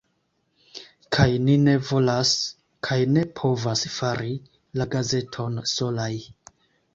Kaj ni ne volas, kaj ne povas fari la gazeton solaj.